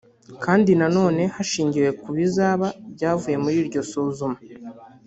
Kandi na none hashingiwe ku bizaba byavuye muri iryo suzuma